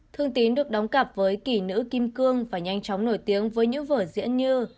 thương tín được đóng cặp với kỷ nữ kim cương và nhanh chóng nổi tiếng với những vở diễn như